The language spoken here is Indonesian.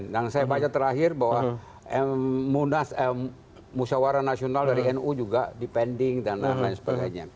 dan saya baca terakhir bahwa musyawarah nasional dari nu juga dipending dan lain lain sebagainya